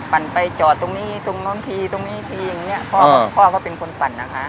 ไปจอดตรงนี้ตรงนู้นทีตรงนี้ทีอย่างเงี้พ่อพ่อก็เป็นคนปั่นนะคะ